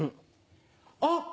あっ！